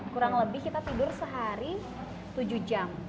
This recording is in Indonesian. kurang lebih kita tidur sehari tujuh jam